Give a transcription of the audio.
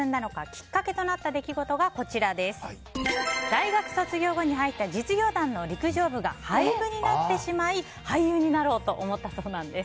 きっかけとなった出来事が大学卒業後に入った実業団の陸上部が廃部になってしまい俳優になろうと思ったそうなんです。